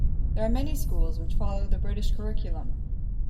There are many schools which follow the British Curriculum.